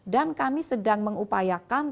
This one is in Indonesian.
dan kami sedang mengupayakan